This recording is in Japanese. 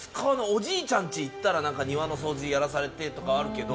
おじいちゃん家行ったら庭の掃除やらされてとかあるけど。